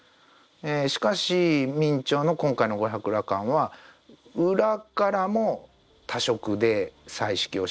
しかし明兆の今回の「五百羅漢」は裏からも多色で彩色をしている。